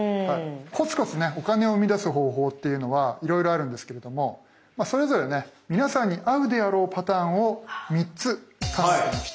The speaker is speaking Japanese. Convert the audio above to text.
コツコツねお金をうみだす方法っていうのはいろいろあるんですけれどもそれぞれね皆さんに合うであろうパターンを３つ考えてきました。